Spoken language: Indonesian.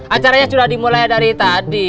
acaranya sudah dimulai dari tadi